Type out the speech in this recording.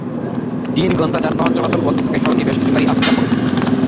তিন ঘণ্টা যানবাহন চলাচল বন্ধ থাকায় সড়কে বেশ কিছু গাড়ি আটকা পড়ে।